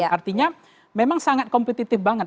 artinya memang sangat kompetitif banget